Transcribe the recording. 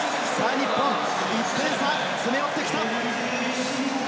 日本、１点差に詰め寄ってきた。